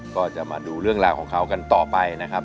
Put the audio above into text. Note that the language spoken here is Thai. ก็จะมาดูเรื่องราวของเขากันต่อไปนะครับ